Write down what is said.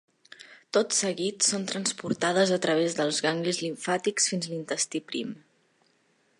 Tot seguit, són transportades a través dels ganglis limfàtics fins a l'intestí prim.